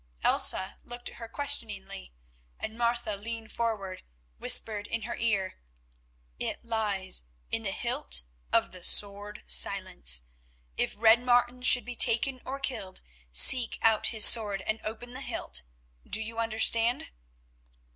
Elsa looked at her questioningly, and Martha, leaning forward, whispered in her ear: "It lies in the hilt of the Sword Silence. If Red Martin should be taken or killed, seek out his sword and open the hilt. Do you understand?"